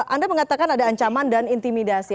anda mengatakan ada ancaman dan intimidasi